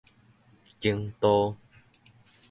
經度